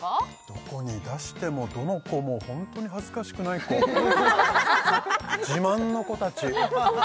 どこに出してもどの子もホントに恥ずかしくない子自慢の子たち